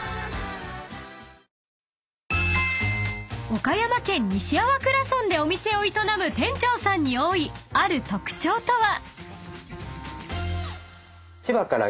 ［岡山県西粟倉村でお店を営む店長さんに多いある特徴とは？］